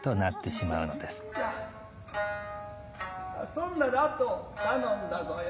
そんならあと頼んだぞよ。